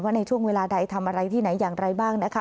ในช่วงเวลาใดทำอะไรที่ไหนอย่างไรบ้างนะคะ